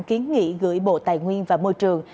kiến nghị gửi bộ tài nguyên và môi trường